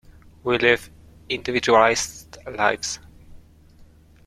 We live individualized lives.